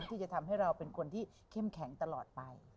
ที่จะทำให้เราเป็นคนที่เข้มแข็งตลอดไป